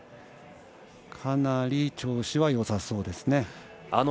かなり調子はよさそうですね。